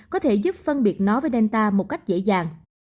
có thể giúp phân biệt nó với delta một cách dễ dàng